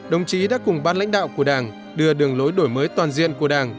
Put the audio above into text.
đồng chí đã cùng ban lãnh đạo của đảng đưa đường lối đổi mới toàn diện của đảng